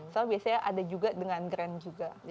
soalnya biasanya ada juga dengan grant juga